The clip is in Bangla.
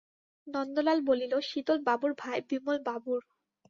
নন্দলাল বলিল শীতলবাবুর ভাই বিমলবাবুর।